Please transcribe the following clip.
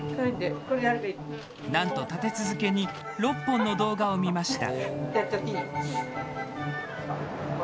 なんと立て続けに６本の動画を見ました。